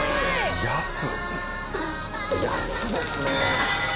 安ですね。